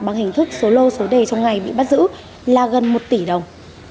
bằng hình thức số lô số đề trong ngày bị bắt giữ là gần một tỷ đồng